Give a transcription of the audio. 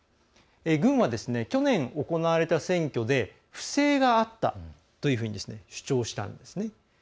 軍は、去年行われた選挙で不正があったというふうに主張したんですね。